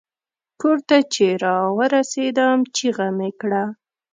کور ته چې را ورسیدم چیغه مې کړه.